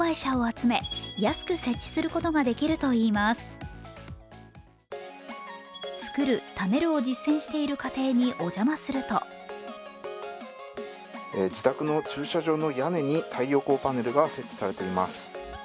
「つくる・ためる」を実践している家庭にお邪魔すると自宅の駐車場の屋根に太陽光パネルが設置されています。